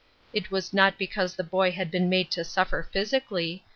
It was not because the boy had been made to suffer physically.